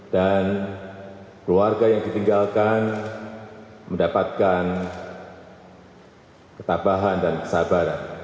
dan keluarga yang ditinggalkan mendapatkan ketabahan dan kesabaran